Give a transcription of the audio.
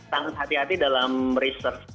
sangat hati hati dalam research